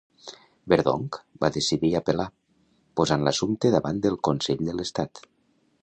Verdonk va decidir apel·lar, posant l'assumpte davant del consell de l'estat.